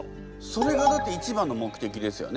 それがだって一番の目的ですよね。